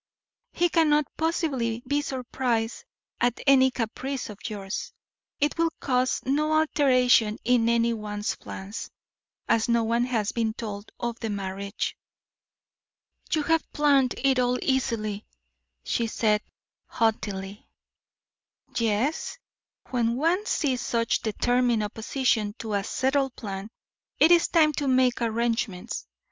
He cannot possibly be surprised at any caprice of yours. It will cause no alteration in any one's plans, as no one has been told of the marriage." "You have planned it all easily," she said, haughtily. "Yes, when one sees such determined opposition to a settled plan, it is time to make arrangements.